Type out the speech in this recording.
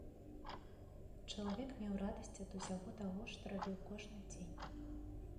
Чалавек меў радасць ад усяго таго, што рабіў кожны дзень.